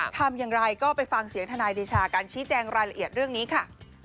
ทำอย่างไรก็ไปฟังเสียงทนายเดชาการชี้แจงรายละเอียดเรื่องนี้ค่ะ